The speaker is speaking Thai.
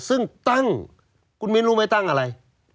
ซึ่งตั้งคุณมิ้นรู้ไหมตั้งอะไร